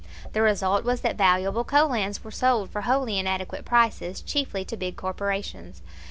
The result was that valuable coal lands were sold for wholly inadequate prices, chiefly to big corporations.